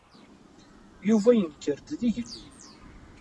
Yuba yenker-d d igellil.